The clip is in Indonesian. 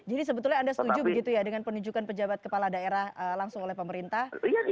jadi sebetulnya anda setuju begitu ya dengan penunjukan pejabat kepala daerah langsung oleh pemerintah